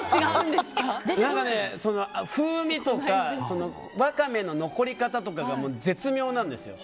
風味とかワカメの残り方とかが絶妙なんですよ。